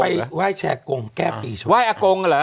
ไปไหว้แชร์กงแก้ปีชมไหว้อากงเหรอ